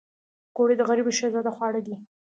پکورې د غریبو شهزاده خواړه دي